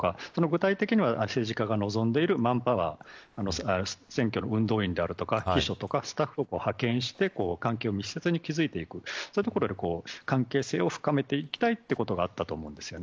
具体的には政治家が望んでいるマンパワー選挙の運動員であるとか秘書とかスタッフを派遣して関係を密接に築いていくそういうところで関係性を深めていきたいということがあったと思います。